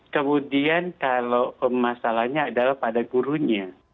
kemudian kalau masalahnya adalah pada gurunya